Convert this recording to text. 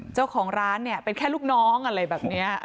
เจ้าของร้านเนี่ยเป็นแค่ลูกน้องอะไรแบบนี้